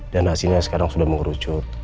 dan hasilnya sekarang sudah mengerucut